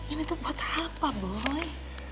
ini tuh buat apa boleh